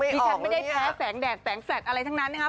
ลิ้มไม่ออกนะเนี่ย